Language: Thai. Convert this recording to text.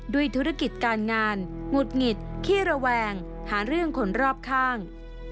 ธุรกิจการงานหงุดหงิดขี้ระแวงหาเรื่องคนรอบข้าง